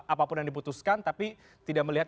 apapun yang diputuskan tapi tidak melihat